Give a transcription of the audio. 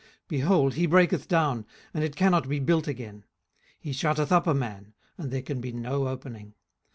18:012:014 Behold, he breaketh down, and it cannot be built again: he shutteth up a man, and there can be no opening.